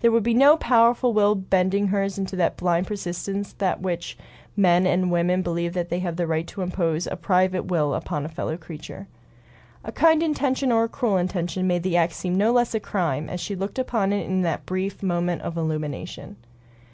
There would be no powerful will bending hers in that blind persistence with which men and women believe they have a right to impose a private will upon a fellow creature. A kind intention or a cruel intention made the act seem no less a crime as she looked upon it in that brief moment of illumination.